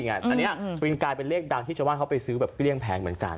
อันนี้มันกลายเป็นเลขดังที่ชาวบ้านเขาไปซื้อแบบเกลี้ยงแผงเหมือนกัน